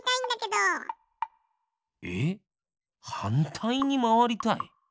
えっはんたいにまわりたい？